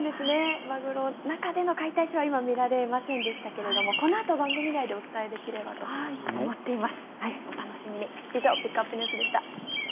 中での解体ショーは見られませんでしたけれどこのあと、番組内でお伝えできればと思っています。